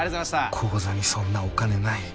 口座にそんなお金ない。